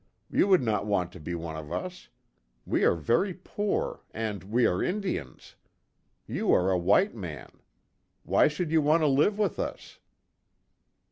You would not want to be one of us. We are very poor, and we are Indians. You are a white man. Why should you want to live with us?"